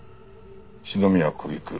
篠宮小菊。